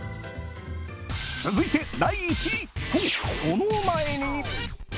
続いて、第１位とその前に。